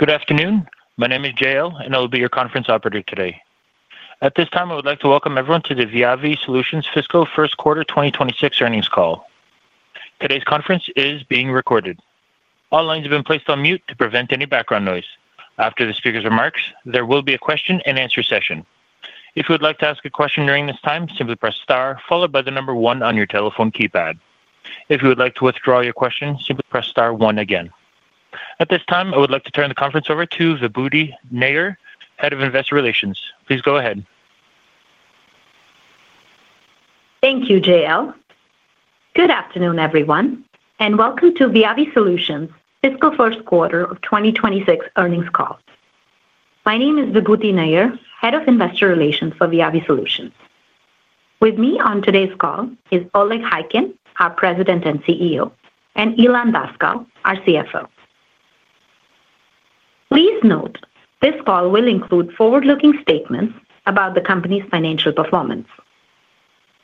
Good afternoon. My name is Jael and I will be your conference operator today. At this time, I would like to welcome everyone to the VIAVI Solutions Fiscal First Quarter 2026 earnings call. Today's conference is being recorded. All lines have been placed on mute to prevent any background noise. After the speaker's remarks, there will be a question and answer session. If you would like to ask a question during this time, simply press star followed by the number one on your telephone keypad. If you would like to withdraw your question, simply press star one again. At this time, I would like to turn the conference over to Vibhuti Nayar, Head of Investor Relations. Please go ahead. Thank you, Jael. Good afternoon, everyone, and welcome to VIAVI Solutions fiscal first quarter of 2026 earnings call. My name is Vibhuti Nayar, Head of Investor Relations for VIAVI Solutions. With me on today's call is Oleg Khaykin, our President and CEO, and Ilan Daskal, our CFO. Please note this call will include forward-looking statements about the company's financial performance.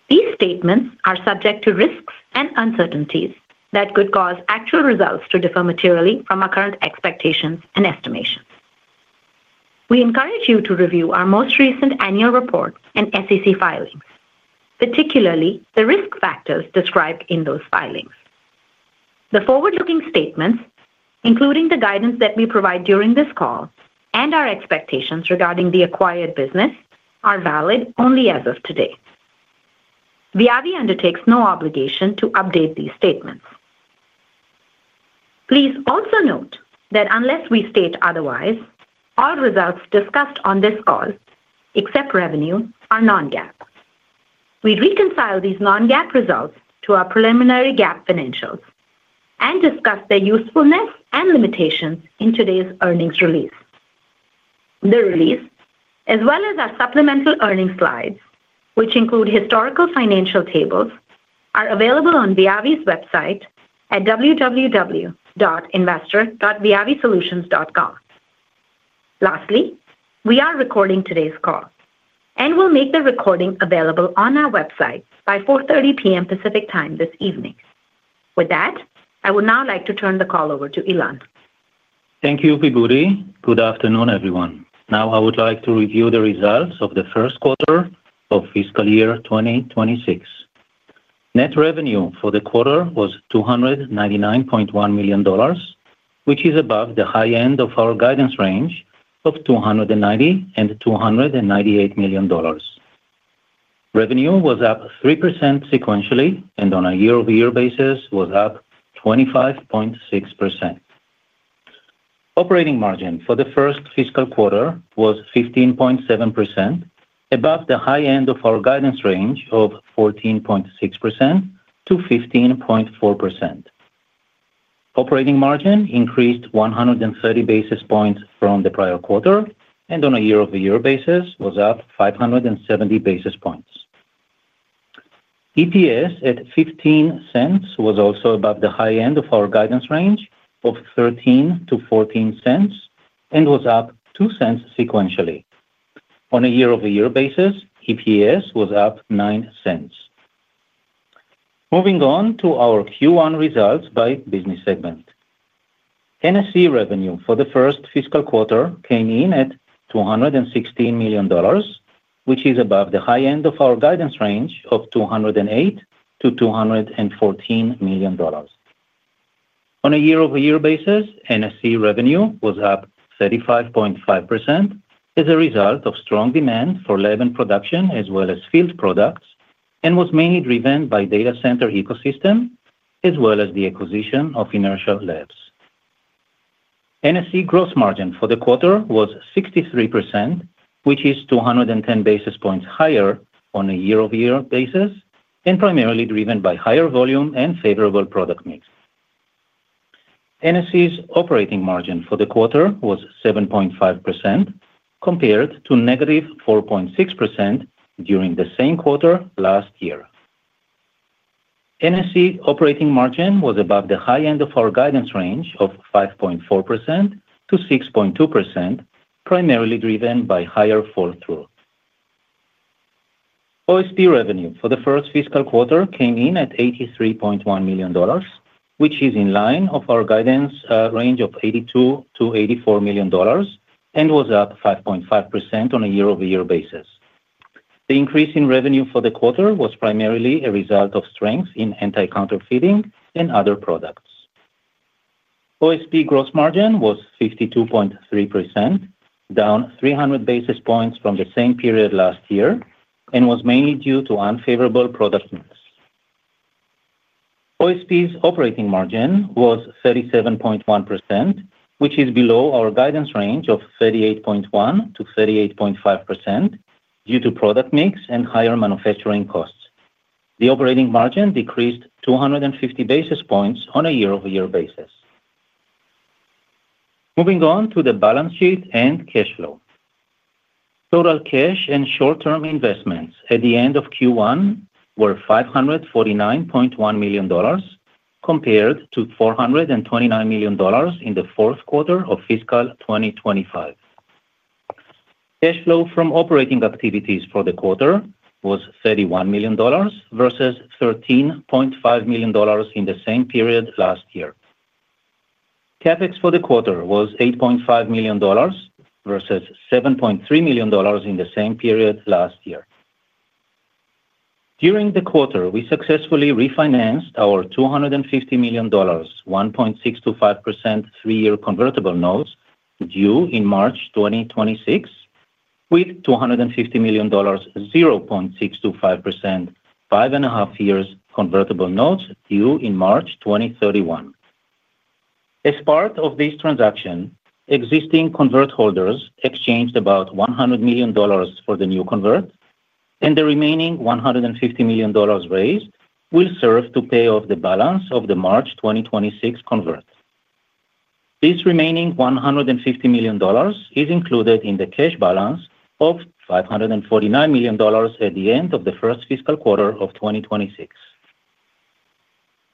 These statements are subject to risks and uncertainties that could cause actual results to differ materially from our current expectations and estimations. We encourage you to review our most recent annual report and SEC filings, particularly the risk factors described in those filings. The forward-looking statements, including the guidance that we provide during this call and our expectations regarding the acquired business, are valid only as of today. VIAVI undertakes no obligation to update these statements. Please also note that unless we state otherwise, all results discussed on this call, except revenue, are non-GAAP. We reconcile these non-GAAP results to our preliminary GAAP financials and discuss their usefulness and limitations in today's earnings release. The release, as well as our supplemental earnings slides, which include historical financial tables, are available on VIAVI's website at www.investor.viavisolutions.com. Lastly, we are recording today's call and will make the recording available on our website by 4:30 P.M. Pacific Time this evening. With that, I would now like to turn the call over to Ilan. Thank you, Vibhuti. Good afternoon, everyone. Now I would like to review the results of the first quarter of fiscal year 2026. Net revenue for the quarter was $299.1 million, which is above the high end of our guidance range of $290 million and $298 million. Revenue was up 3% sequentially, and on a year-over-year basis, was up 25.6%. Operating margin for the first fiscal quarter was 15.7%, above the high end of our guidance range of 14.6%-15.4%. Operating margin increased 130 basis points from the prior quarter, and on a year-over-year basis, was up 570 basis points. EPS at $0.15 was also above the high end of our guidance range of $0.13-$0.14 and was up $0.02 sequentially. On a year-over-year basis, EPS was up $0.09. Moving on to our Q1 results by business segment. NSC revenue for the first fiscal quarter came in at $216 million, which is above the high end of our guidance range of $208 million to $214 million. On a year-over-year basis, NSC revenue was up 35.5% as a result of strong demand for lab and production, as well as field products, and was mainly driven by the data center ecosystem, as well as the acquisition of Inertia Labs. NSC gross margin for the quarter was 63%, which is 210 basis points higher on a year-over-year basis, and primarily driven by higher volume and favorable product mix. NSC's operating margin for the quarter was 7.5%, compared to negative 4.6% during the same quarter last year. NSC operating margin was above the high end of our guidance range of 5.4%-6.2%, primarily driven by higher fall through. OSP revenue for the first fiscal quarter came in at $83.1 million, which is in line with our guidance range of $82 million-$84 million and was up 5.5% on a year-over-year basis. The increase in revenue for the quarter was primarily a result of strength in anti-counterfeiting and other products. OSP gross margin was 52.3%, down 300 basis points from the same period last year, and was mainly due to unfavorable product mix. OSP's operating margin was 37.1%, which is below our guidance range of 38.1% to 38.5% due to product mix and higher manufacturing costs. The operating margin decreased 250 basis points on a year-over-year basis. Moving on to the balance sheet and cash flow. Total cash and short-term investments at the end of Q1 were $549.1 million, compared to $429 million in the fourth quarter of fiscal 2025. Cash flow from operating activities for the quarter was $31 million versus $13.5 million in the same period last year. CapEx for the quarter was $8.5 million versus $7.3 million in the same period last year. During the quarter, we successfully refinanced our $250 million, 1.625% three-year convertible notes due in March 2026, with $250 million, 0.625% five and a half years convertible notes due in March 2031. As part of this transaction, existing convert holders exchanged about $100 million for the new convert, and the remaining $150 million raised will serve to pay off the balance of the March 2026 convert. This remaining $150 million is included in the cash balance of $549 million at the end of the first fiscal quarter of 2026.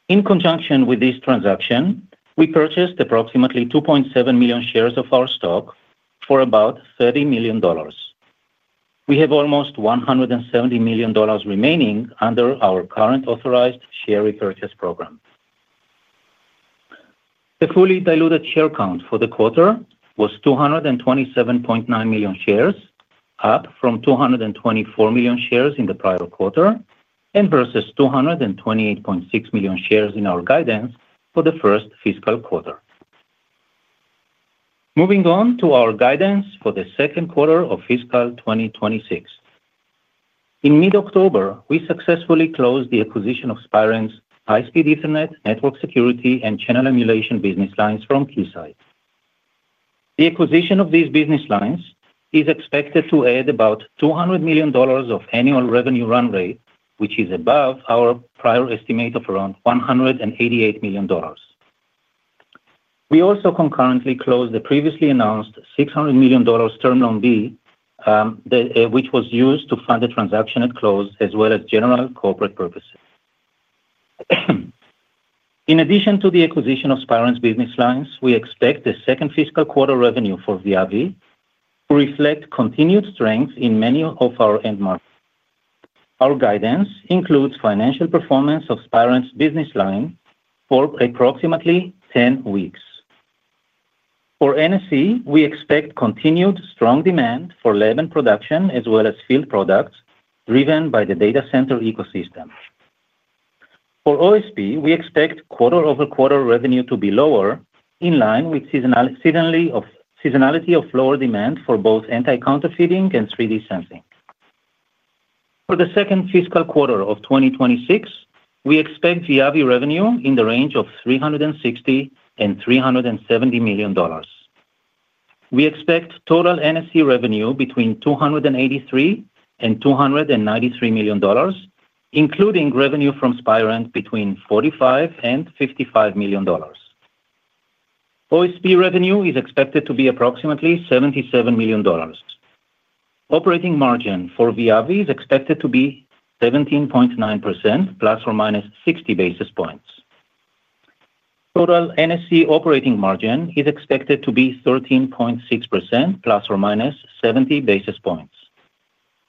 In conjunction with this transaction, we purchased approximately 2.7 million shares of our stock for about $30 million. We have almost $170 million remaining under our current authorized share repurchase program. The fully diluted share count for the quarter was 227.9 million shares, up from 224 million shares in the prior quarter, and versus 228.6 million shares in our guidance for the first fiscal quarter. Moving on to our guidance for the second quarter of fiscal 2026. In mid-October, we successfully closed the acquisition of Spirent's High-Speed Ethernet Network Security and Channel Emulation business lines from Keysight. The acquisition of these business lines is expected to add about $200 million of annual revenue run rate, which is above our prior estimate of around $188 million. We also concurrently closed the previously announced $600 million term loan B, which was used to fund the transaction at close, as well as general corporate purposes. In addition to the acquisition of Spirent's business lines, we expect the second fiscal quarter revenue for VIAVI to reflect continued strength in many of our end markets. Our guidance includes financial performance of Spirent's business line for approximately 10 weeks. For NSC, we expect continued strong demand for lab and production, as well as field products driven by the data center ecosystem. For OSP, we expect quarter-over-quarter revenue to be lower in line with seasonality of lower demand for both anti-counterfeiting and 3D sensing. For the second fiscal quarter of 2026, we expect VIAVI revenue in the range of $360 million and $370 million. We expect total NSC revenue between $283 million and $293 million, including revenue from Spirent between $45 million and $55 million. OSP revenue is expected to be approximately $77 million. Operating margin for VIAVI is expected to be 17.9%, ±60 basis points. Total NSC operating margin is expected to be 13.6%, plus or minus 70 basis points.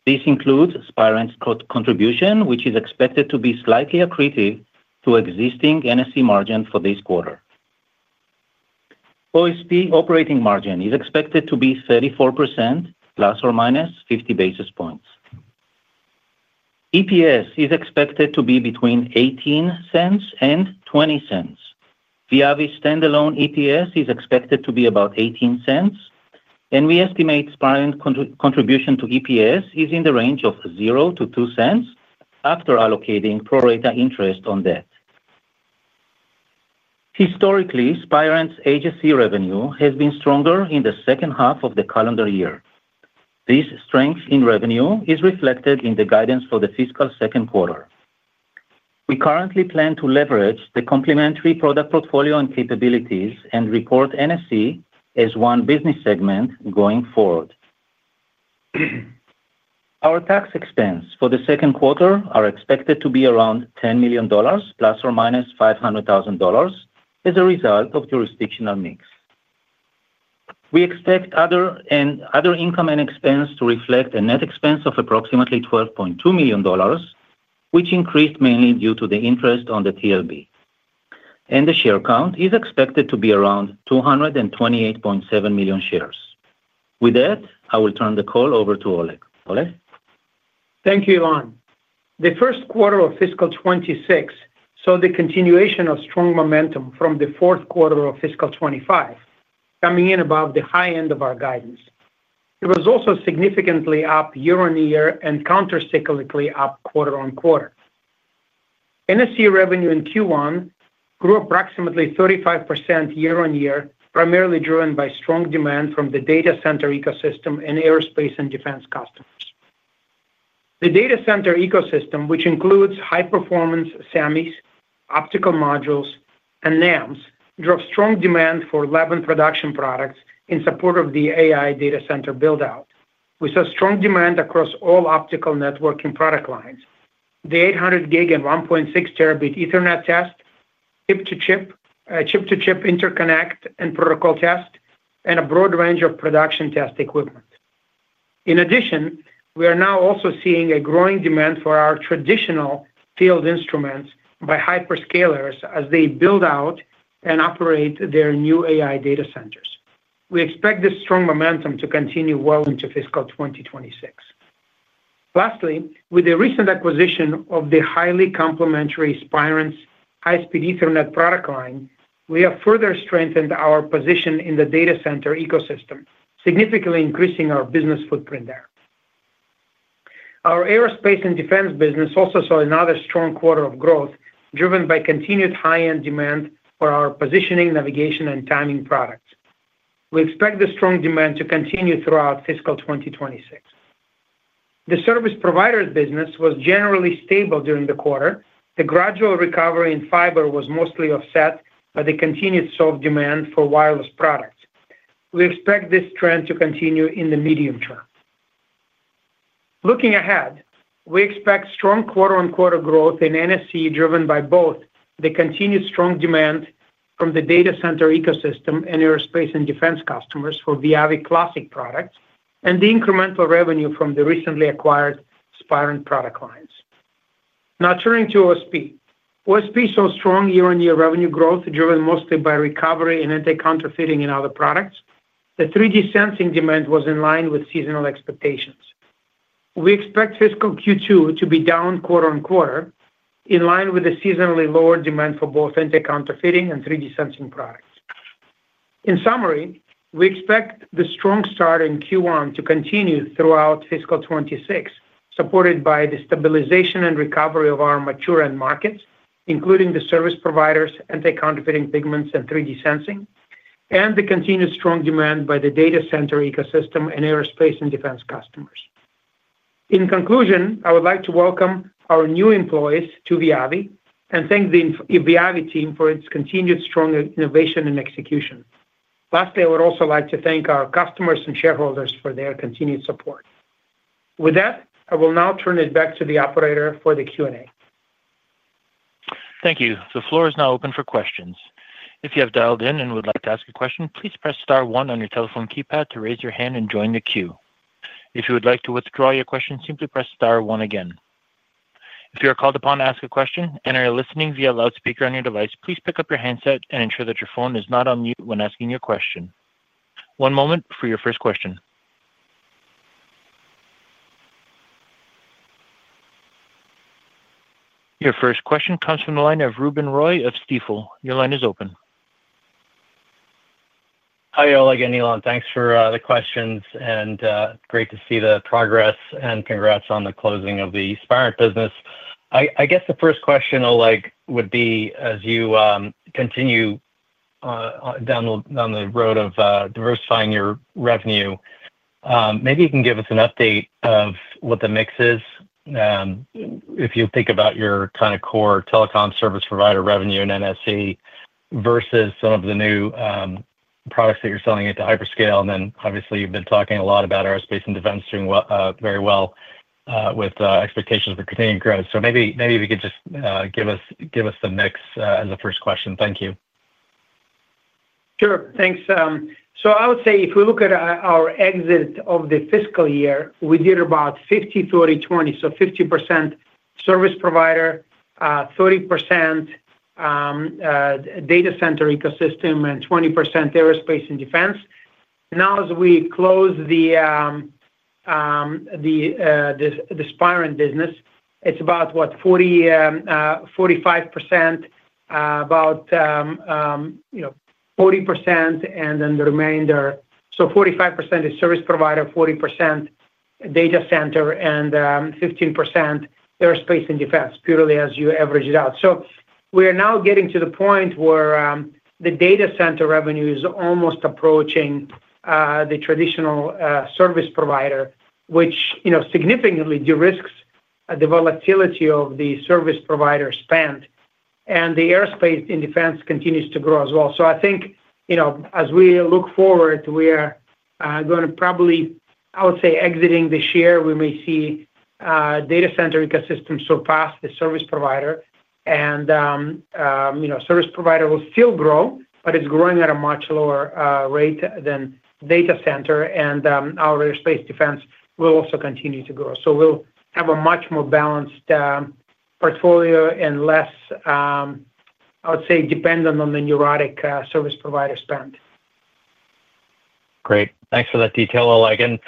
This includes Spirent's contribution, which is expected to be slightly accretive to existing NSC margin for this quarter. OSP operating margin is expected to be 34%, ±50 basis points. EPS is expected to be between $0.18 and $0.20. VIAVI's standalone EPS is expected to be about $0.18, and we estimate Spirent's contribution to EPS is in the range of $0-$0.02 after allocating pro-rata interest on debt. Historically, Spirent's HSE revenue has been stronger in the second half of the calendar year. This strength in revenue is reflected in the guidance for the fiscal second quarter. We currently plan to leverage the complementary product portfolio and capabilities and report NSC as one business segment going forward. Our tax expense for the second quarter is expected to be around $10 million, ±$500,000, as a result of jurisdictional mix. We expect other income and expense to reflect a net expense of approximately $12.2 million, which increased mainly due to the interest on the TLB, and the share count is expected to be around 228.7 million shares. With that, I will turn the call over to Oleg. Oleg? Thank you, Ilan. The first quarter of fiscal 2026 saw the continuation of strong momentum from the fourth quarter of fiscal 2025, coming in above the high end of our guidance. It was also significantly up year-on-year and countercyclically up quarter-on-quarter. NSC revenue in Q1 grew approximately 35% year-on-year, primarily driven by strong demand from the data center ecosystem and aerospace and defense customers. The data center ecosystem, which includes high-performance SAMIs, optical modules, and NAMs, drove strong demand for lab and production products in support of the AI data center build-out. We saw strong demand across all optical networking product lines, the 800 gig and 1.6 Tb Ethernet test, chip-to-chip interconnect and protocol test, and a broad range of production test equipment. In addition, we are now also seeing a growing demand for our traditional field instruments by hyperscalers as they build out and operate their new AI data centers. We expect this strong momentum to continue well into fiscal 2026. Lastly, with the recent acquisition of the highly complementary Spirent's High-Speed Ethernet product line, we have further strengthened our position in the data center ecosystem, significantly increasing our business footprint there. Our aerospace and defense business also saw another strong quarter of growth, driven by continued high-end demand for our positioning, navigation, and timing products. We expect the strong demand to continue throughout fiscal 2026. The service providers' business was generally stable during the quarter. The gradual recovery in fiber was mostly offset by the continued soft demand for wireless products. We expect this trend to continue in the medium term. Looking ahead, we expect strong quarter-on-quarter growth in NSC, driven by both the continued strong demand from the data center ecosystem and aerospace and defense customers for VIAVI Classic products and the incremental revenue from the recently acquired Spirent product lines. Now turning to OSP. OSP saw strong year-on-year revenue growth, driven mostly by recovery in anti-counterfeiting and other products. The 3D sensing demand was in line with seasonal expectations. We expect fiscal Q2 to be down quarter-on-quarter, in line with the seasonally lower demand for both anti-counterfeiting and 3D sensing products. In summary, we expect the strong start in Q1 to continue throughout fiscal 2026, supported by the stabilization and recovery of our mature end markets, including the service providers, anti-counterfeiting pigments, and 3D sensing, and the continued strong demand by the data center ecosystem and aerospace and defense customers. In conclusion, I would like to welcome our new employees to VIAVI and thank the VIAVI team for its continued strong innovation and execution. Lastly, I would also like to thank our customers and shareholders for their continued support. With that, I will now turn it back to the operator for the Q&A. Thank you. The floor is now open for questions. If you have dialed in and would like to ask a question, please press star one on your telephone keypad to raise your hand and join the queue. If you would like to withdraw your question, simply press star one again. If you are called upon to ask a question and are listening via loudspeaker on your device, please pick up your handset and ensure that your phone is not on mute when asking your question. One moment for your first question. Your first question comes from the line of Ruben Roy of Stifel. Your line is open. Hi, Oleg and Ilan. Thanks for the questions and great to see the progress and congrats on the closing of the Spirent business. I guess the first question, Oleg, would be, as you continue down the road of diversifying your revenue, maybe you can give us an update of what the mix is, if you think about your kind of core telecom service provider revenue in NSC versus some of the new products that you're selling at the hyperscale. Obviously, you've been talking a lot about aerospace and defense doing very well with expectations for continued growth. Maybe you could just give us the mix as a first question. Thank you. Sure. Thanks. I would say if we look at our exit of the fiscal year, we did about 50/30/20, so 50% service provider, 30% data center ecosystem, and 20% aerospace and defense. Now, as we close the Spirent business, it's about, what, 45%, about 40%, and then the remainder, so 45% is service provider, 40% data center, and 15% aerospace and defense, purely as you average it out. We are now getting to the point where the data center revenue is almost approaching the traditional service provider, which significantly de-risks the volatility of the service provider spend, and the aerospace and defense continues to grow as well. I think, as we look forward, we are going to probably, I would say, exiting this year, we may see data center ecosystem surpass the service provider, and service provider will still grow, but it's growing at a much lower rate than data center, and our aerospace and defense will also continue to grow. We'll have a much more balanced portfolio and less, I would say, dependent on the neurotic service provider spend. Great. Thanks for that detail, Oleg.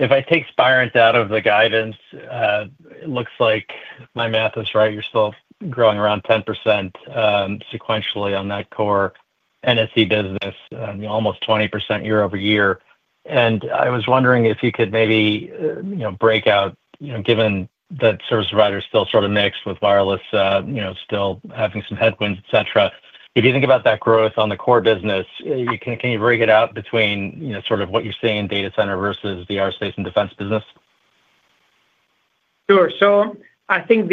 If I take Spirent out of the guidance, it looks like my math is right. You're still growing around 10% sequentially on that core NSC business, almost 20% year-over-year. I was wondering if you could maybe break out, given that service provider is still sort of mixed with wireless, still having some headwinds, etc. If you think about that growth on the core business, can you break it out between sort of what you're seeing in data center versus the aerospace and defense business? Sure. I think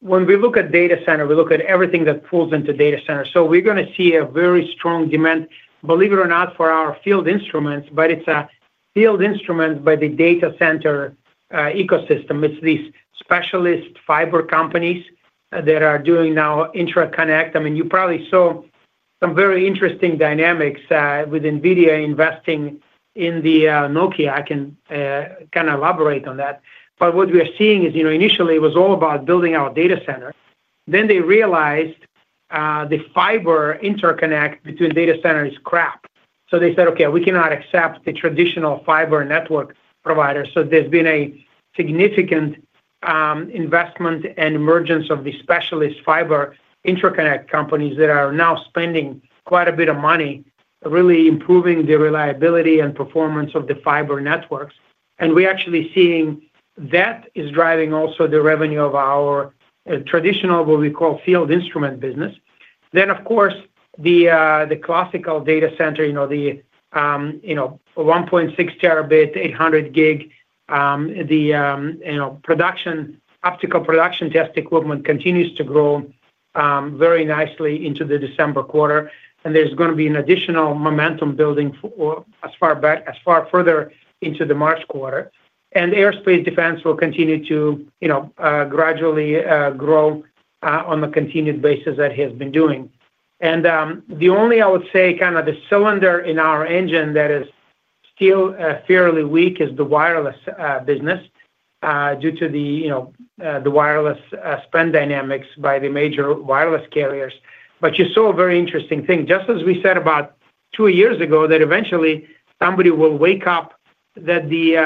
when we look at data center, we look at everything that falls into data center. We're going to see a very strong demand, believe it or not, for our field instruments, but it's field instruments by the data center ecosystem. It's these specialist fiber companies that are doing now intraconnect. You probably saw some very interesting dynamics with NVIDIA investing in Nokia. I can kind of elaborate on that. What we are seeing is, initially, it was all about building out data center. Then they realized the fiber interconnect between data center is crap. They said, "Okay, we cannot accept the traditional fiber network provider." There's been a significant investment and emergence of the specialist fiber interconnect companies that are now spending quite a bit of money, really improving the reliability and performance of the fiber networks. We're actually seeing that is driving also the revenue of our traditional, what we call field instrument business. Of course, the classical data center, you know, the 1.6 Tb, 800 gig, the production optical production test equipment continues to grow very nicely into the December quarter, and there's going to be an additional momentum building as far further into the March quarter. Aerospace defense will continue to gradually grow on a continued basis that it has been doing. The only, I would say, kind of the cylinder in our engine that is still fairly weak is the wireless business due to the wireless spend dynamics by the major wireless carriers. You saw a very interesting thing. Just as we said about two years ago that eventually somebody will wake up that the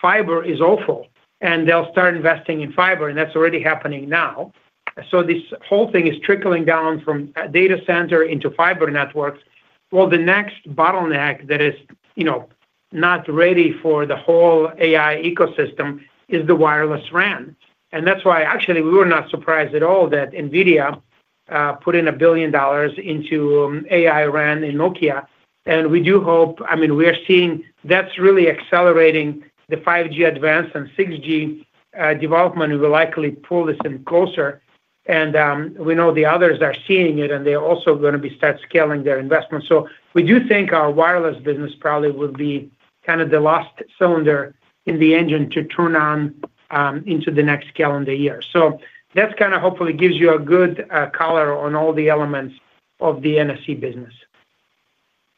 fiber is awful and they'll start investing in fiber, and that's already happening now. This whole thing is trickling down from data center into fiber networks. The next bottleneck that is not ready for the whole AI ecosystem is the wireless RAN. That's why, actually, we were not surprised at all that NVIDIA put in $1 billion into AI-RAN in Nokia. We do hope, I mean, we are seeing that's really accelerating the 5G advance and 6G development. It will likely pull this in closer. We know the others are seeing it, and they're also going to start scaling their investment. We do think our wireless business probably will be kind of the last cylinder in the engine to turn on into the next calendar year. That kind of hopefully gives you a good color on all the elements of the NSC business.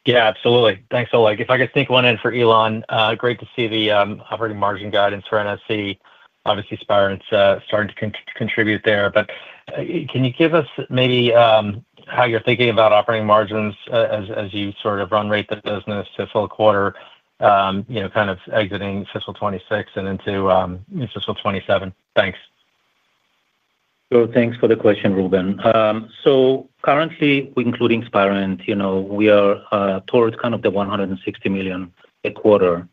Yeah, absolutely. Thanks, Oleg. If I could sneak one in for Ilan, great to see the operating margin guidance for NSC. Obviously, Spirent is starting to contribute there. Can you give us maybe how you're thinking about operating margins as you sort of run-rate the business to full quarter, you know, kind of exiting fiscal 2026 and into fiscal 2027? Thanks. Thank you for the question, Ruben. Currently, including Spirent, we are towards kind of the $160 million a quarter.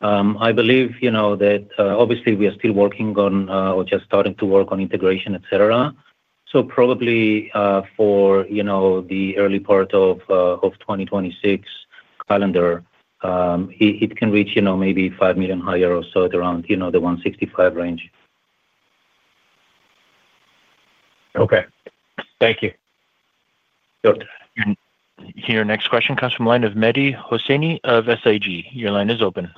I believe, you know, that obviously we are still working on or just starting to work on integration, etc. Probably for, you know, the early part of 2026 calendar, it can reach, you know, maybe $5 million higher or so at around, you know, the $165 million range. Okay, thank you. Sure. The next question comes from the line of Mehdi Hosseini of SIG. Your line is open.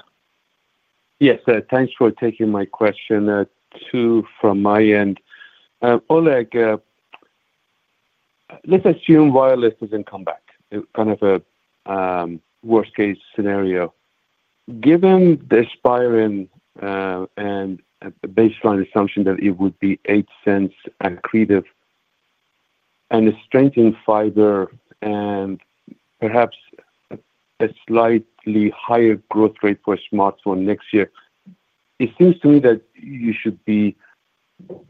Yes, thanks for taking my question. Two from my end. Oleg, let's assume wireless doesn't come back, kind of a worst-case scenario. Given the Spirent and a baseline assumption that it would be $0.08 accretive and a strength in fiber and perhaps a slightly higher growth rate for a smartphone next year, it seems to me that you should be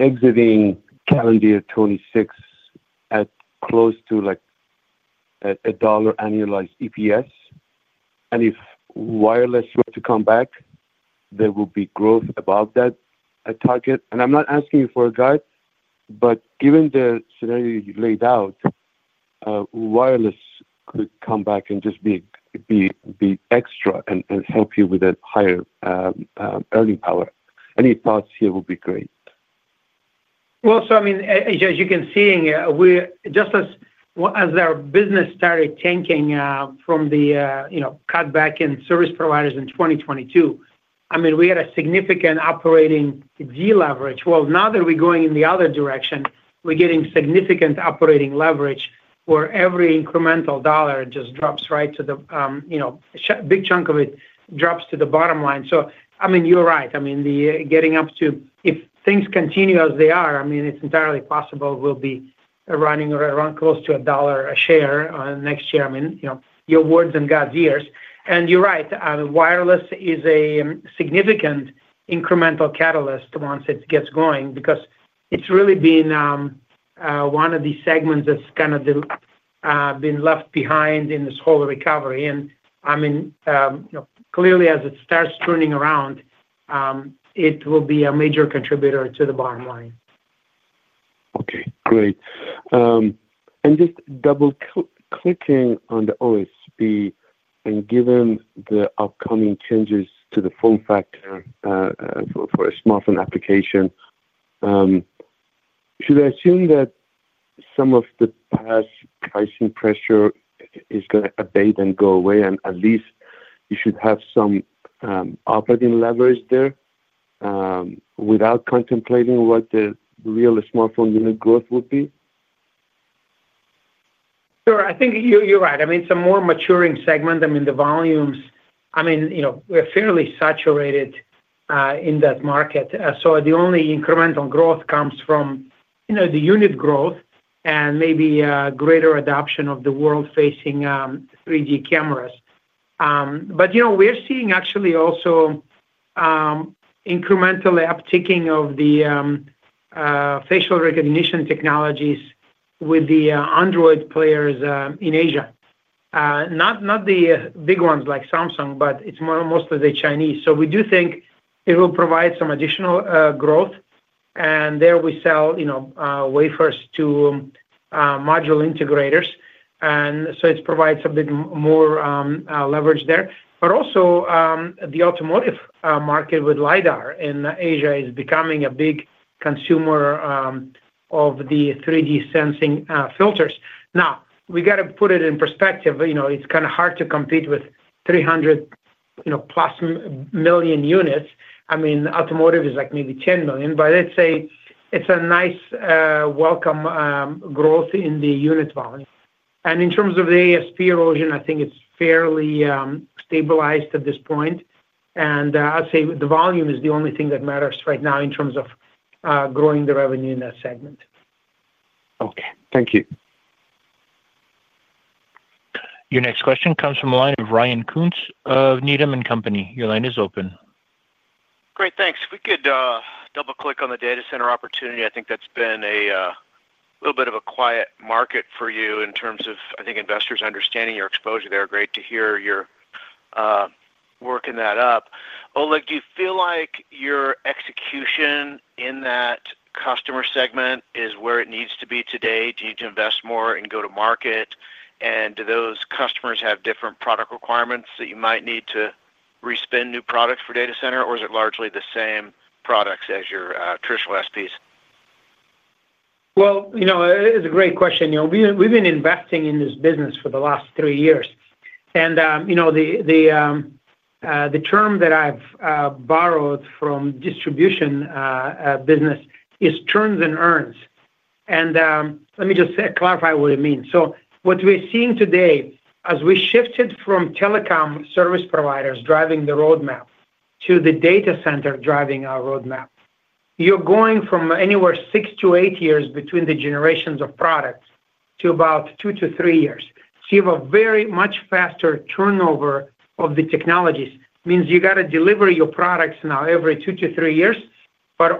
exiting calendar year 2026 at close to like $1 annualized EPS. If wireless were to come back, there will be growth above that target. I'm not asking you for a guide, but given the scenario you laid out, wireless could come back and just be extra and help you with a higher earning power. Any thoughts here would be great. As you can see, just as our business started tanking from the cutback in service providers in 2022, we had a significant operating de-leverage. Now that we're going in the other direction, we're getting significant operating leverage where every incremental dollar just drops right to the, you know, a big chunk of it drops to the bottom line. You're right. Getting up to if things continue as they are, it's entirely possible we'll be running around close to $1 a share next year. You know, your words and God's ears. You're right. Wireless is a significant incremental catalyst once it gets going because it's really been one of the segments that's kind of been left behind in this whole recovery. Clearly, as it starts turning around, it will be a major contributor to the bottom line. Okay. Great. Just double-clicking on the OSP and given the upcoming changes to the form factor for a smartphone application, should I assume that some of the past pricing pressure is going to abate and go away, and at least you should have some operating leverage there without contemplating what the real smartphone unit growth would be? Sure. I think you're right. I mean, it's a more maturing segment. The volumes, you know, we're fairly saturated in that market. The only incremental growth comes from the unit growth and maybe greater adoption of the world-facing 3D cameras. We're seeing actually also incremental upticking of the facial recognition technologies with the Android players in Asia. Not the big ones like Samsung, but it's mostly the Chinese. We do think it will provide some additional growth. There we sell wafers to module integrators, so it provides a bit more leverage there. Also, the automotive market with LiDAR in Asia is becoming a big consumer of the 3D sensing filters. Now, we got to put it in perspective. It's kind of hard to compete with 300+ million units. Automotive is like maybe 10 million. Let's say it's a nice welcome growth in the unit volume. In terms of the ASP erosion, I think it's fairly stabilized at this point. I'd say the volume is the only thing that matters right now in terms of growing the revenue in that segment. Okay, thank you. Your next question comes from the line of Ryan Koontz of Needham & Company. Your line is open. Great. Thanks. If we could double-click on the data center opportunity, I think that's been a little bit of a quiet market for you in terms of, I think, investors understanding your exposure there. Great to hear you're working that up. Oleg, do you feel like your execution in that customer segment is where it needs to be today? Do you need to invest more in go-to-market? Do those customers have different product requirements that you might need to respend new products for data center, or is it largely the same products as your traditional service providers? It's a great question. We've been investing in this business for the last three years. The term that I've borrowed from distribution business is churns and earns. Let me just clarify what it means. What we're seeing today, as we shifted from telecom service providers driving the roadmap to the data center driving our roadmap, you're going from anywhere six to eight years between the generations of products to about two to three years. You have a very much faster turnover of the technologies. It means you got to deliver your products now every two to three years.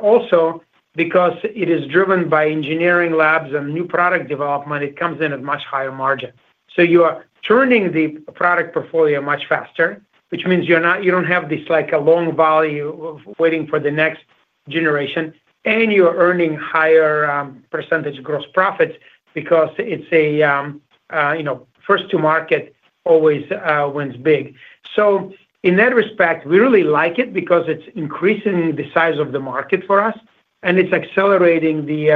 Also, because it is driven by engineering labs and new product development, it comes in at a much higher margin. You are turning the product portfolio much faster, which means you don't have this like a long volume waiting for the next generation. You're earning higher % gross profits because it's a, you know, first-to-market always wins big. In that respect, we really like it because it's increasing the size of the market for us, and it's accelerating the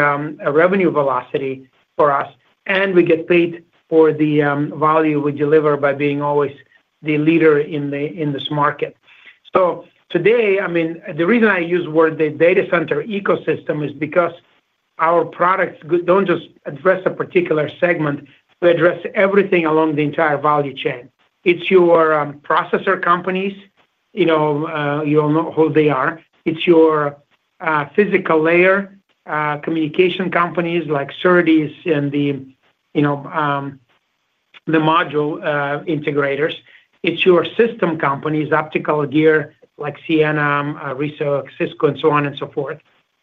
revenue velocity for us. We get paid for the value we deliver by being always the leader in this market. The reason I use the word data center ecosystem is because our products don't just address a particular segment. We address everything along the entire value chain. It's your processor companies, you know, you'll know who they are. It's your physical layer communication companies like SerDes and the module integrators. It's your system companies, optical gear like [CIAN, RISO, Cisco], and so on and so forth.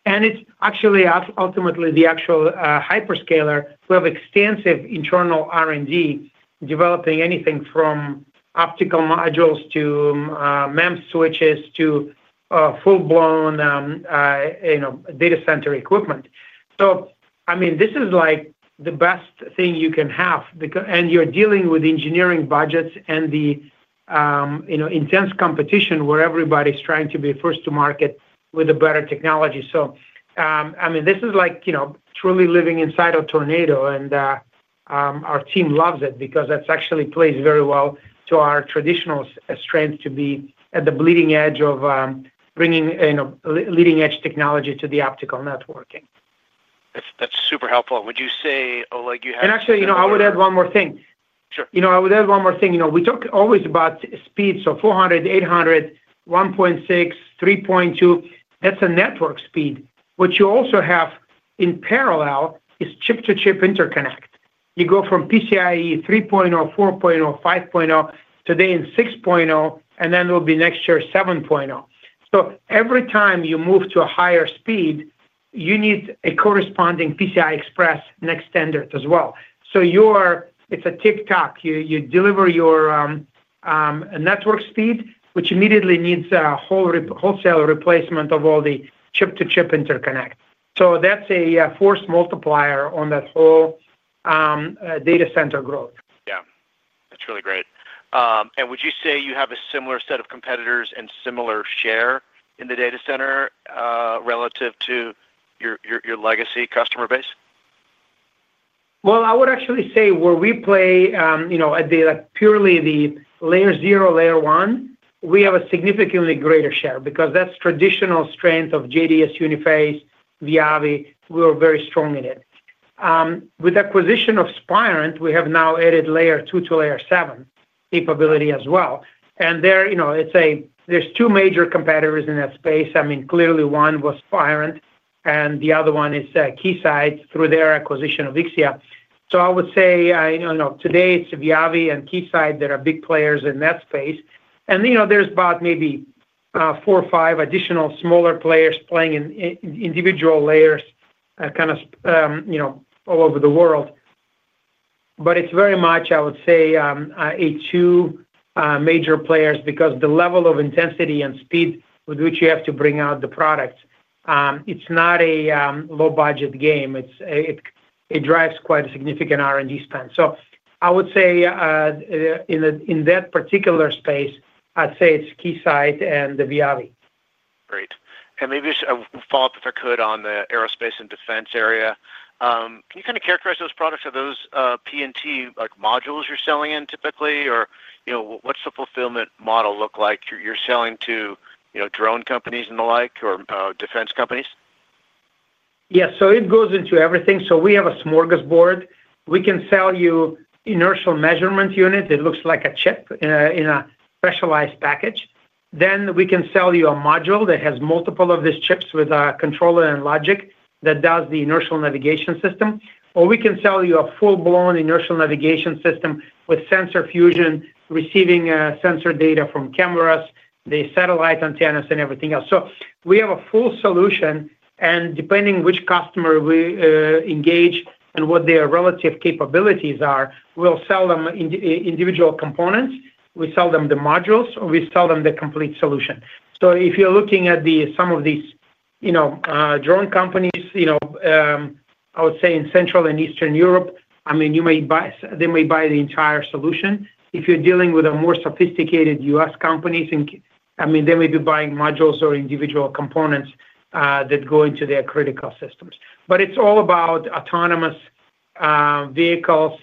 It's actually ultimately the actual hyperscaler who have extensive internal R&D developing anything from optical modules to MEMS switches to full-blown data center equipment. This is like the best thing you can have. You're dealing with engineering budgets and the intense competition where everybody's trying to be first-to-market with a better technology. This is like, you know, truly living inside a tornado. Our team loves it because that actually plays very well to our traditional strength to be at the bleeding edge of bringing leading-edge technology to the optical networking. That's super helpful. Would you say, Oleg, you have. Actually, you know, I would add one more thing. Sure. I would add one more thing. We talk always about speed. So 400, 800, 1.6, 3.2. That's a network speed. What you also have in parallel is chip-to-chip interconnect. You go from PCIe 3.0, 4.0, 5.0, today in 6.0, and then it will be next year 7.0. Every time you move to a higher speed, you need a corresponding PCI Express next standard as well. It's a tick-tock. You deliver your network speed, which immediately needs a wholesale replacement of all the chip-to-chip interconnect. That's a force multiplier on that whole data center growth. Yeah, that's really great. Would you say you have a similar set of competitors and similar share in the data center relative to your legacy customer base? I would actually say where we play, you know, at purely the layer zero, layer one, we have a significantly greater share because that's traditional strength of JDS Uniphase, VIAVI. We were very strong in it. With the acquisition of Spirent, we have now added layer two to layer seven capability as well. There, you know, let's say there's two major competitors in that space. I mean, clearly, one was Spirent, and the other one is Keysight through their acquisition of Ixia. I would say, you know, today it's VIAVI and Keysight that are big players in that space. You know, there's about maybe four or five additional smaller players playing in individual layers kind of, you know, all over the world. It's very much, I would say, two major players because the level of intensity and speed with which you have to bring out the products, it's not a low-budget game. It drives quite a significant R&D spend. I would say in that particular space, I'd say it's Keysight and VIAVI. Great. Maybe just a follow-up if I could on the aerospace and defense area. Can you kind of characterize those products? Are those P&T modules you're selling in typically, or what's the fulfillment model look like? You're selling to drone companies and the like or defense companies? Yeah. It goes into everything. We have a smorgasbord. We can sell you inertial measurement units. It looks like a chip in a specialized package. We can sell you a module that has multiple of these chips with a controller and logic that does the inertial navigation system. We can sell you a full-blown inertial navigation system with sensor fusion, receiving sensor data from cameras, the satellite antennas, and everything else. We have a full solution. Depending on which customer we engage and what their relative capabilities are, we'll sell them individual components. We sell them the modules, or we sell them the complete solution. If you're looking at some of these drone companies, I would say in Central and Eastern Europe, they may buy the entire solution. If you're dealing with a more sophisticated U.S.company, they may be buying modules or individual components that go into their critical systems. It's all about autonomous vehicles,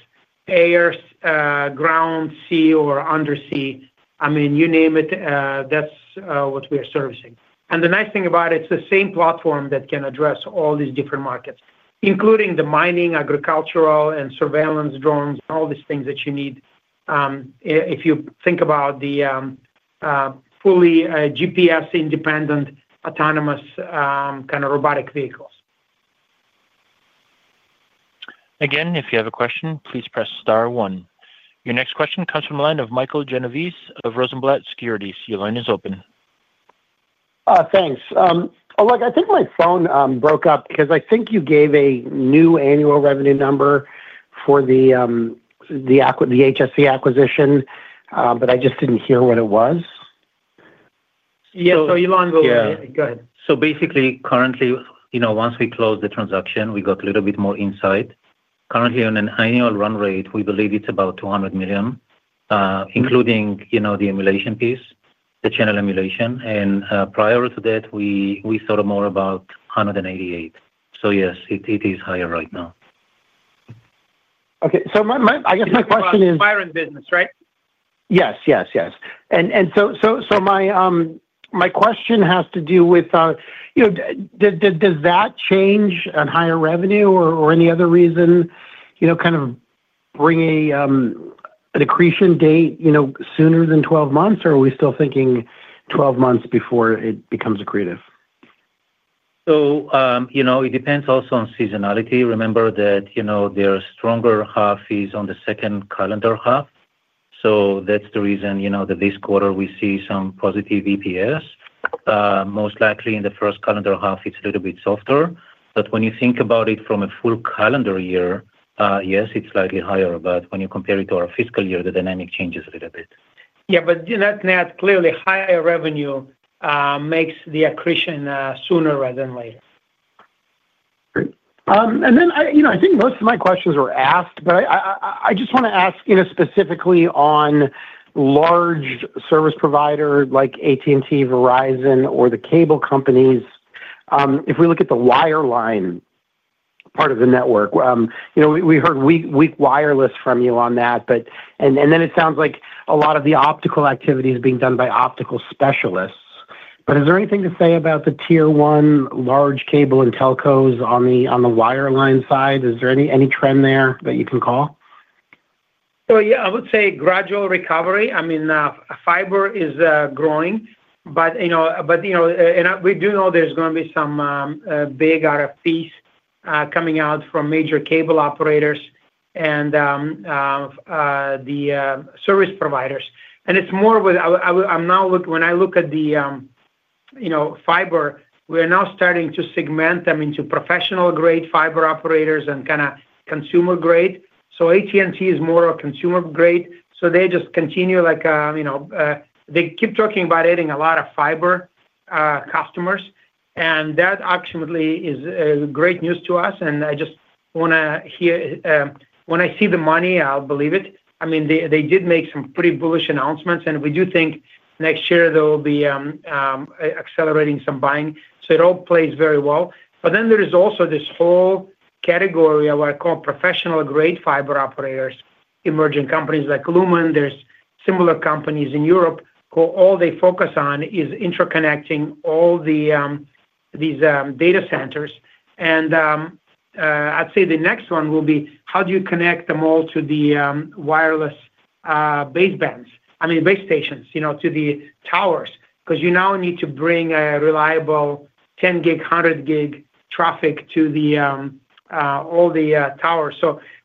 air, ground, sea, or undersea. You name it, that's what we are servicing. The nice thing about it, it's the same platform that can address all these different markets, including the mining, agricultural, and surveillance drones, and all these things that you need if you think about the fully GPS-independent, autonomous kind of robotic vehicles. Again, if you have a question, please press star one. Your next question comes from the line of Michael Genovese of Rosenblatt Securities. Your line is open. Thanks. Oleg, I think my phone broke up because I think you gave a new annual revenue number for the HSE acquisition, but I just didn't hear what it was. Yeah, Ilan will. Yeah, go ahead. Currently, once we closed the transaction, we got a little bit more insight. Currently, on an annual run rate, we believe it's about $200 million, including the emulation piece, the channel emulation. Prior to that, we thought more about $188 million. Yes, it is higher right now. Okay, I guess my question is. You're in the Spirent business, right? My question has to do with, you know, does that change on higher revenue or any other reason, you know, kind of bring an accretion date sooner than 12 months, or are we still thinking 12 months before it becomes accretive? It depends also on seasonality. Remember that there are stronger half is on the second calendar half. That's the reason that this quarter we see some positive EPS. Most likely in the first calendar half, it's a little bit softer. When you think about it from a full calendar year, yes, it's slightly higher. When you compare it to our fiscal year, the dynamic changes a little bit. Yeah, that's clearly higher revenue makes the accretion sooner rather than later. Great. I think most of my questions were asked, but I just want to ask specifically on large service providers like AT&T, Verizon, or the cable companies. If we look at the wireline part of the network, we heard weak wireless from you on that. It sounds like a lot of the optical activity is being done by optical specialists. Is there anything to say about the tier one large cable and telcos on the wireline side? Is there any trend there that you can call? Yeah, I would say gradual recovery. I mean, fiber is growing. We do know there's going to be some big RFPs coming out from major cable operators and the service providers. It's more with I'm now looking, when I look at the fiber, we are now starting to segment them into professional-grade fiber operators and kind of consumer-grade. AT&T is more of a consumer-grade. They just continue, like, you know, they keep talking about adding a lot of fiber customers. That actually is great news to us. I just want to hear, when I see the money, I'll believe it. I mean, they did make some pretty bullish announcements. We do think next year there will be accelerating some buying. It all plays very well. There is also this whole category of what I call professional-grade fiber operators, emerging companies like Lumen. There are similar companies in Europe who all they focus on is interconnecting all these data centers. I'd say the next one will be how do you connect them all to the wireless base bands, I mean, base stations, to the towers? You now need to bring a reliable 10 gig, 100 gig traffic to all the towers.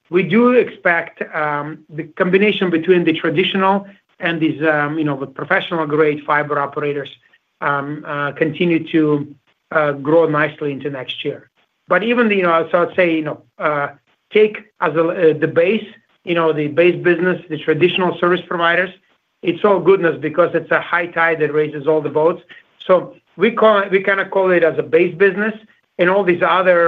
We do expect the combination between the traditional and these professional-grade fiber operators to continue to grow nicely into next year. Even, you know, take the base, the base business, the traditional service providers, it's all goodness because it's a high tide that raises all the boats. We kind of call it as a base business. All these other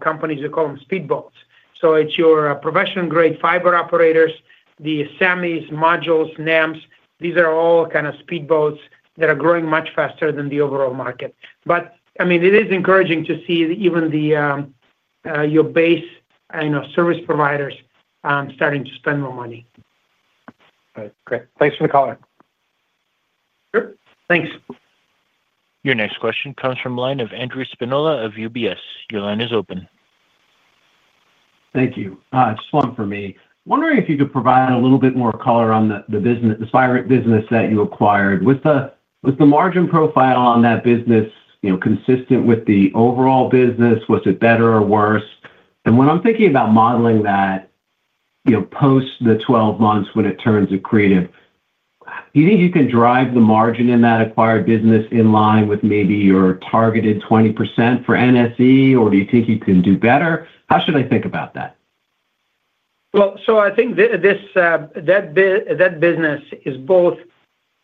companies, we call them speedboats. It's your professional-grade fiber operators, the SAMIs, modules, NAMs. These are all kind of speedboats that are growing much faster than the overall market. It is encouraging to see even your base service providers starting to spend more money. All right. Great. Thanks for the call. Sure. Thanks. Your next question comes from the line of Andrew Spinola of UBS. Your line is open. Thank you. It's just one for me. Wondering if you could provide a little bit more color on the business, the Spirent business that you acquired. Was the margin profile on that business, you know, consistent with the overall business? Was it better or worse? When I'm thinking about modeling that, you know, post the 12 months when it turns accretive, do you think you can drive the margin in that acquired business in line with maybe your targeted 20% for NSC, or do you think you can do better? How should I think about that? I think that business is both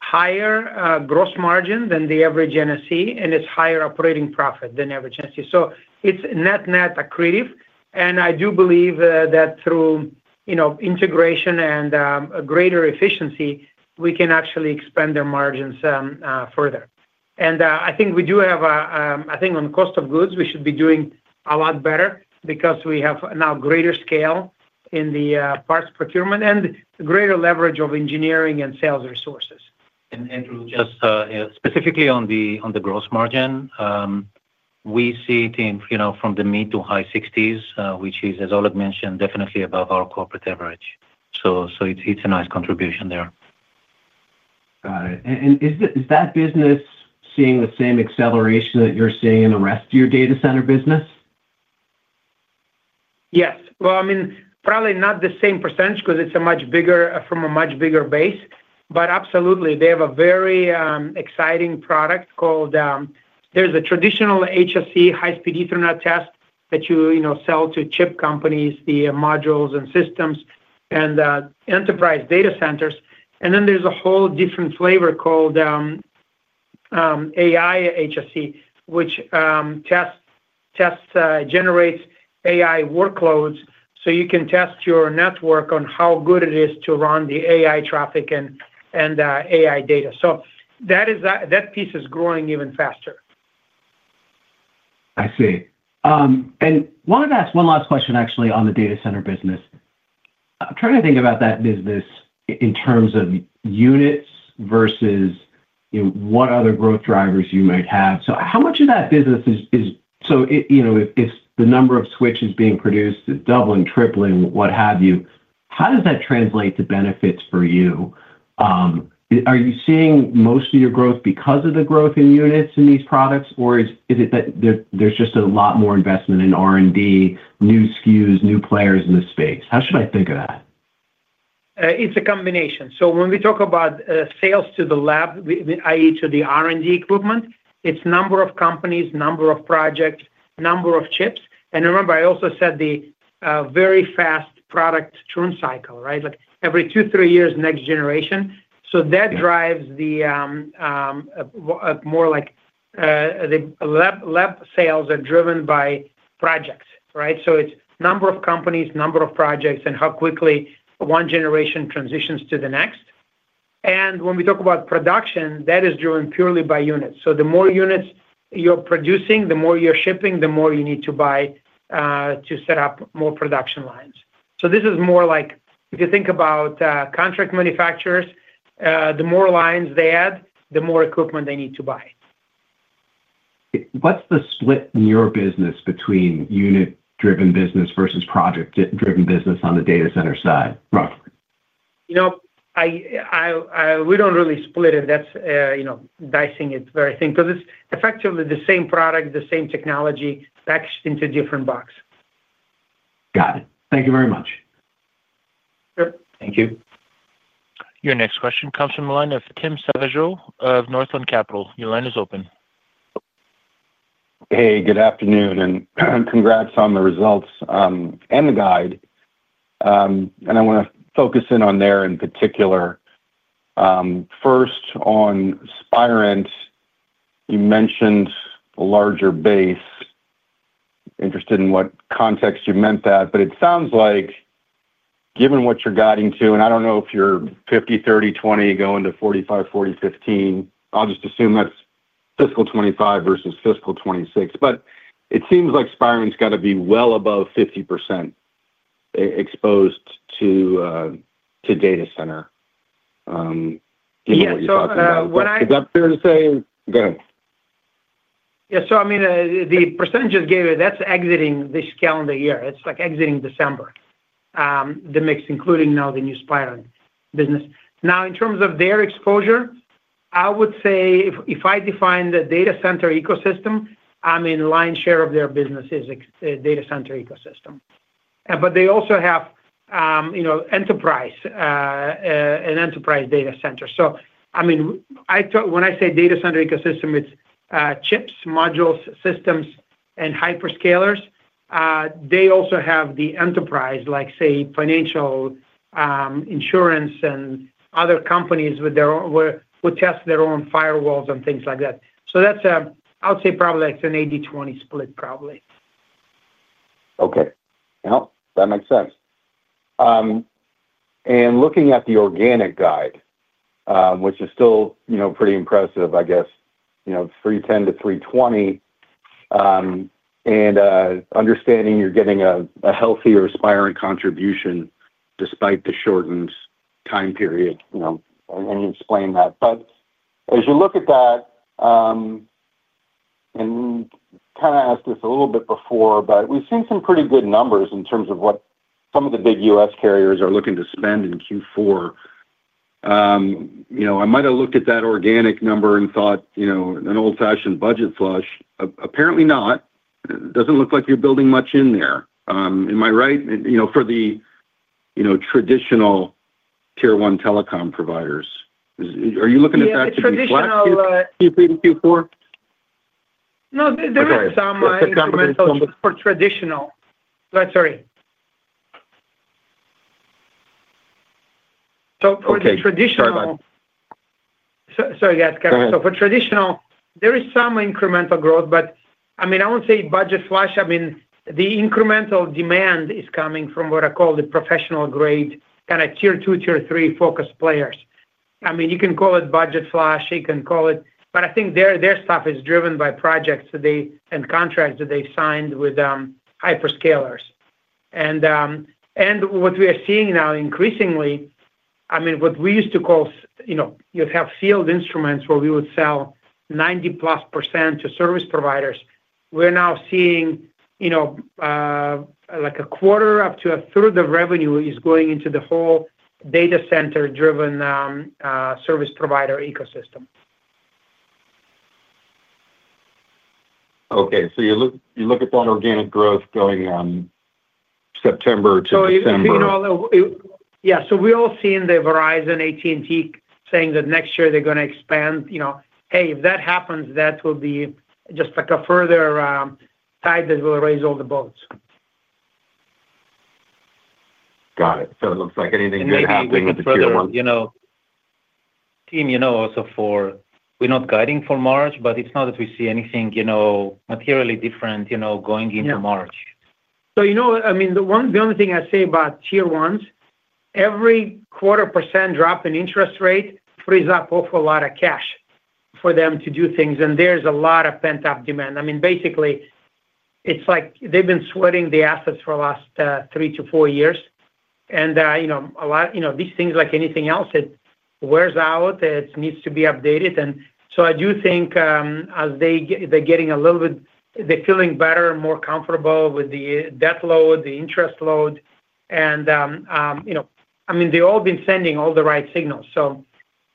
higher gross margin than the average NSC, and it's higher operating profit than average NSC. It's net-net accretive. I do believe that through integration and greater efficiency, we can actually expand their margins further. I think we do have a, I think on cost of goods, we should be doing a lot better because we have now greater scale in the parts procurement and greater leverage of engineering and sales resources. Andrew, just specifically on the gross margin, we see it in, you know, from the mid to high 60%, which is, as Oleg mentioned, definitely above our corporate average. It's a nice contribution there. Got it. Is that business seeing the same acceleration that you're seeing in the rest of your data center business? Yes. I mean, probably not the same percentage because it's from a much bigger base. Absolutely, they have a very exciting product called, there's a traditional HSE, High-Speed Ethernet test that you sell to chip companies, the modules and systems, and enterprise data centers. There's a whole different flavor called AI HSE, which tests, generates AI workloads. You can test your network on how good it is to run the AI traffic and AI data. That piece is growing even faster. I see. I wanted to ask one last question, actually, on the data center business. I'm trying to think about that business in terms of units versus, you know, what other growth drivers you might have. How much of that business is, you know, if the number of switches being produced is doubling, tripling, what have you, how does that translate to benefits for you? Are you seeing most of your growth because of the growth in units in these products, or is it that there's just a lot more investment in R&D, new SKUs, new players in this space? How should I think of that? It's a combination. When we talk about sales to the lab, i.e., to the R&D equipment, it's number of companies, number of projects, number of chips. Remember, I also said the very fast product churn cycle, right? Like every two, three years, next generation. That drives the more like the lab sales are driven by projects, right? It's number of companies, number of projects, and how quickly one generation transitions to the next. When we talk about production, that is driven purely by units. The more units you're producing, the more you're shipping, the more you need to buy to set up more production lines. This is more like if you think about contract manufacturers, the more lines they add, the more equipment they need to buy. What's the split in your business between unit-driven business versus project-driven business on the data center side, roughly? You know. We don't really split it. That's, you know, dicing it very thin because it's effectively the same product, the same technology, packaged into a different box. Got it. Thank you very much. Sure. Thank you. Your next question comes from the line of Tim Savageaux of Northland Capital. Your line is open. Hey, good afternoon, and congrats on the results and the guide. I want to focus in on there in particular. First, on Spirent, you mentioned the larger base. Interested in what context you meant that. It sounds like, given what you're guiding to, and I don't know if you're 50/30/20 going to 45/40/15, I'll just assume that's fiscal 2025 versus fiscal 2026. It seems like Spirent's got to be well above 50% exposed to data center. Yeah, what I. Is that fair to say? Go ahead. Yeah. The percentages gave it, that's exiting this calendar year. It's like exiting December, the mix, including now the new Spirent business. In terms of their exposure, I would say if I define the data center ecosystem, the lion's share of their business is data center ecosystem. They also have an enterprise data center. When I say data center ecosystem, it's chips, modules, systems, and hyperscalers. They also have the enterprise, like, say, financial insurance and other companies with their own where who test their own firewalls and things like that. That's, I would say, probably like an 80/20 split, probably. Okay. That makes sense. Looking at the organic guide, which is still, you know, pretty impressive, I guess, you know, $310 million-$320 million, and understanding you're getting a healthier Spirent contribution despite the shortened time period. You explain that. As you look at that, and kind of asked this a little bit before, we've seen some pretty good numbers in terms of what some of the big U.S. carriers are looking to spend in Q4. I might have looked at that organic number and thought, you know, an old-fashioned budget flush. Apparently not. It doesn't look like you're building much in there. Am I right? For the traditional tier one telecom providers, are you looking at that to be a challenge? For traditional Q3 to Q4, no, there is some incremental growth for traditional. Sorry, for the traditional. Go ahead. Sorry. For traditional, there is some incremental growth, but I won't say budget flush. The incremental demand is coming from what I call the professional-grade kind of tier two, tier three focus players. You can call it budget flush, but I think their stuff is driven by projects that they and contracts that they've signed with hyperscalers. What we are seeing now increasingly, what we used to call, you know, you'd have field instruments where we would sell 90%+ to service providers, we're now seeing a quarter up to a third of revenue is going into the whole data center-driven service provider ecosystem. You look at that organic growth going September to December. Yeah, we all see Verizon and AT&T saying that next year they're going to expand. If that happens, that will be just like a further tide that will raise all the boats. Got it. It looks like anything good happening with the tier one. Tim, you know, also we're not guiding for March, but it's not that we see anything materially different going into March. The only thing I say about tier ones, every quarter percent drop in interest rate frees up a whole lot of cash for them to do things. There's a lot of pent-up demand. Basically, it's like they've been sweating the assets for the last three to four years. These things, like anything else, wear out. It needs to be updated. I do think as they're getting a little bit, they're feeling better and more comfortable with the debt load, the interest load. They've all been sending all the right signals.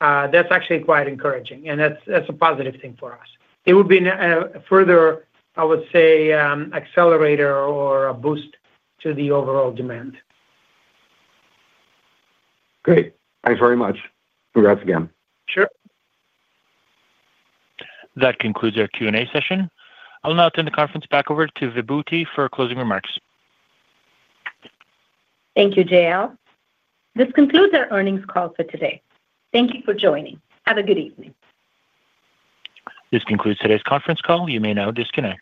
That's actually quite encouraging. That's a positive thing for us. It would be a further, I would say, accelerator or a boost to the overall demand. Great. Thanks very much. Congrats again. Sure. That concludes our Q&A session. I'll now turn the conference back over to Vibhuti for closing remarks. Thank you, Jael. This concludes our earnings call for today. Thank you for joining. Have a good evening. This concludes today's conference call. You may now disconnect.